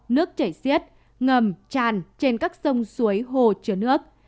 nước chảy xiết ngầm tràn trên các sông suối hồ chứa nước